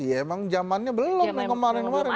ya emang jamannya belum ya kemarin kemarin